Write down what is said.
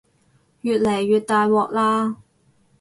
越嚟越大鑊喇